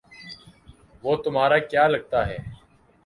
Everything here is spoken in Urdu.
وہ تمہارا کیا لگتا ہے